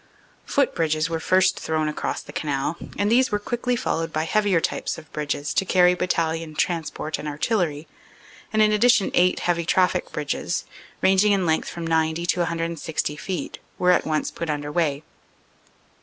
"Foot bridges were first thrown across the Canal, and these were quickly followed by heavier types of bridges to carry Battalion transport and Artillery, and in addition eight heavy traffic bridges, ranging in length from 90 to 160 feet, were at once put under way.